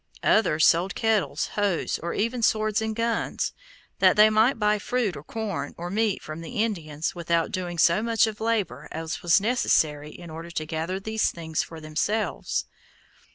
Others sold kettles, hoes, or even swords and guns, that they might buy fruit, or corn, or meat from the Indians without doing so much of labor as was necessary in order to gather these things for themselves.